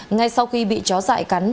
ngay sau khi bị chó dại cắn